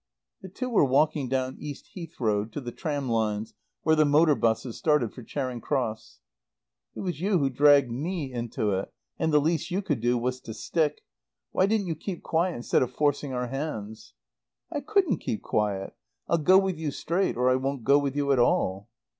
The two were walking down East Heath Road to the tram lines where the motor buses started for Charing Cross. "It was you who dragged me into it, and the least you could do was to stick. Why didn't you keep quiet instead of forcing our hands?" "I couldn't keep quiet. I'll go with you straight or I won't go with you at all."